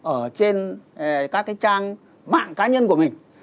ở trên các cái trang mạng cá nhân của mình